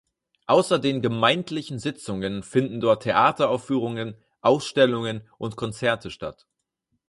Außer den gemeindlichen Sitzungen finden dort Theateraufführungen, Ausstellungen und Konzerte statt.